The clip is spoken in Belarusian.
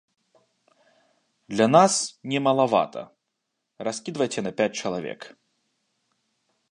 Для нас не малавата, раскідвайце на пяць чалавек.